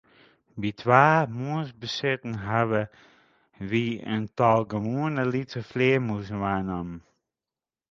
By twa moarnsbesiten hawwe wy in tal gewoane lytse flearmûzen waarnommen.